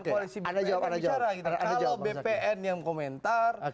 kalau bpn yang komentar